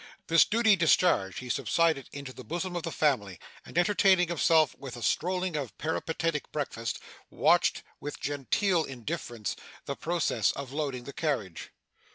This duty discharged, he subsided into the bosom of the family; and, entertaining himself with a strolling or peripatetic breakfast, watched, with genteel indifference, the process of loading the carriage.